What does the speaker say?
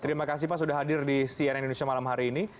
terima kasih pak sudah hadir di cnn indonesia malam hari ini